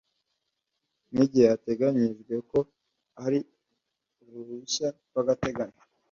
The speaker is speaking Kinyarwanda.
Nk’igihe hateganyijwe ko ari uruhushya rwagateganyo.